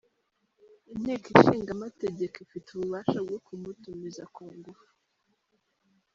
Inteko Ishinga Amategeko ifite ububasha bwo kumutumiza ku ngufu.”